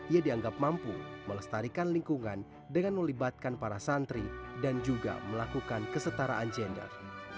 ia dianggap mampu melestarikan lingkungan dengan melibatkan para santri dan juga melakukan kesetaraan gender